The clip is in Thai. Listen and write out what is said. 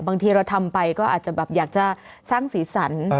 บางทีเราทำไปก็อาจจะแบบอยากจะสร้างสีสัน